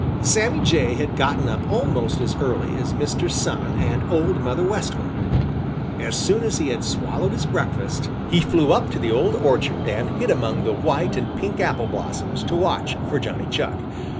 Sammy Jay had gotten up almost as early as Mr. Sun and Old Mother West Wind. As soon as he had swallowed his breakfast, he flew up to the old orchard and hid among the white and pink apple blossoms to watch for Johnny Chuck.